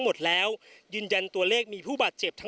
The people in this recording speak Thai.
พร้อมด้วยผลตำรวจเอกนรัฐสวิตนันอธิบดีกรมราชทัน